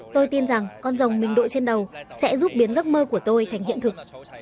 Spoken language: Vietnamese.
tôi tin rằng con rồng mình đội trên đầu sẽ giúp biến giấc mơ của tôi thành hiện thực